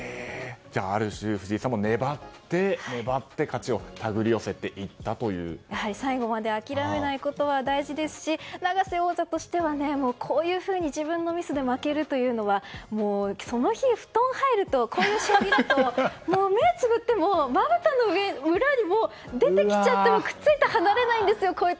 じゃあ、ある種藤井さん、粘って粘って最後まで諦めないことは大事ですし、永瀬王座としてはこういうふうに自分のミスで負けるというのは、その日布団入るとこういう将棋だともう、目をつぶってもまぶたの裏に出てきちゃってくっついて離れないんですよ。